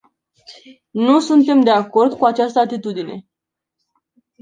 Nu suntem de acord cu această atitudine.